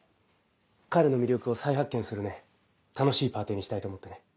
彼の魅力を再発見するね楽しいパーティーにしたいと思ってね。